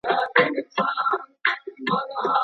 د بيلتون بله طريقه تفريق دی.